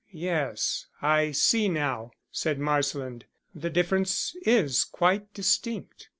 "Yes, I see now," said Marsland. "The difference is quite distinct."